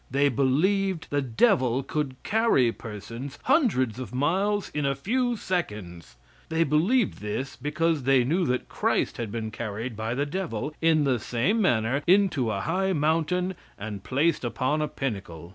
They believed the devil could carry persons hundreds of miles in a few seconds; they believed this because they knew that Christ had been carried by the devil, in the same manner, into a high mountain, and placed upon a pinnacle.